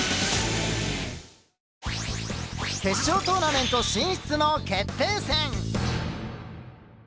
決勝トーナメント進出の決定戦。